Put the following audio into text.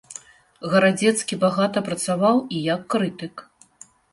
Гарадзецкі багата працаваў і як крытык.